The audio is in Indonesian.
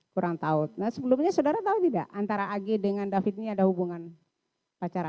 kurang tahu nah sebelumnya saudara tahu tidak antara ag dengan david ini ada hubungan pacaran